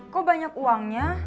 kok banyak uangnya